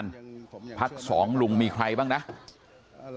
ขอบคุณเลยนะฮะคุณแพทองธานิปรบมือขอบคุณเลยนะฮะ